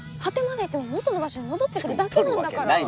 果てまで行っても元の場所に戻ってくるだけなんだから。